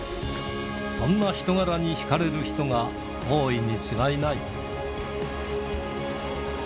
そんな人柄に引かれる人が多いに違いない。